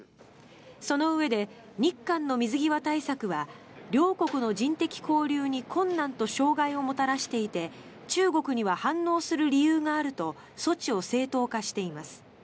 そのうえで、日韓の水際対策は両国の人的交流に困難と障害をもたらしていて中国には反応する理由があると措置を正当化しています。